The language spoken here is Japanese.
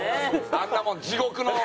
あんなもん地獄の。